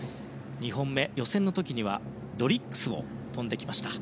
２本目予選の時にはドリッグスを跳びました。